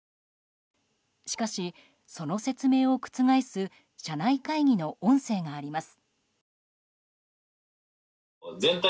しかし、その説明を覆す社内会議の音声があります。